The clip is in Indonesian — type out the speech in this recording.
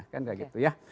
kan kayak gitu ya